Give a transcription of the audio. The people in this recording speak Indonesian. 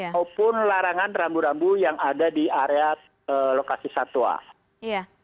maupun larangan rambu rambu yang ada di area lokasi satwa